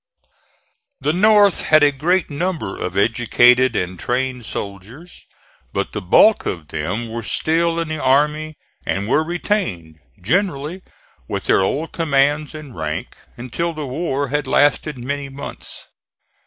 The North had a great number of educated and trained soldiers, but the bulk of them were still in the army and were retained, generally with their old commands and rank, until the war had lasted many months.